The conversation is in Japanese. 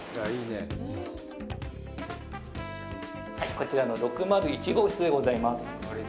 こちらの６０１号室でございます。